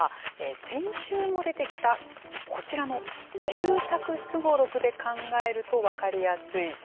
先週も出てきたこちらの住宅すごろくで考えると分かりやすいそうなんですね。